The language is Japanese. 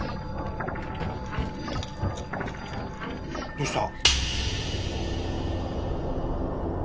どうした？